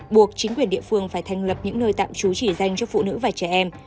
buộc chính quyền địa phương phải thành lập những nơi tạm trú chỉ dành cho phụ nữ và trẻ em